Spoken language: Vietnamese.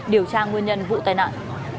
điều tra nguyên nhân vụ tai nạn